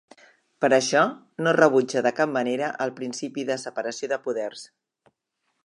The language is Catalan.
Per això, no prejutja de cap manera el principi de separació de poders.